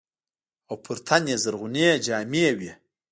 او پر تن يې زرغونې جامې وې.